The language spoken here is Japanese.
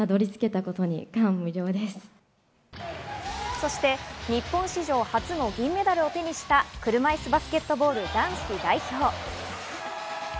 そして日本史上初の銀メダルを手にした、車いすバスケットボール男子代表。